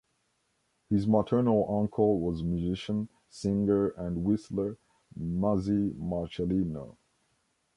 His maternal uncle was musician, singer, and whistler Muzzy Marcellino.